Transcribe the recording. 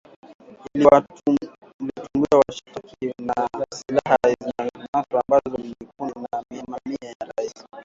iliwatambua washtakiwa na silaha zilizonaswa ambazo ni bunduki na mamia ya risasi